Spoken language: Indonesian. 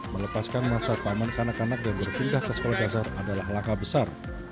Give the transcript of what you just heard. melepaskan masa paman kanak kanak dan berpindah ke sekolah kasar adalah alaka besar